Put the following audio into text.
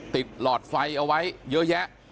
หลอดไฟเอาไว้เยอะแยะ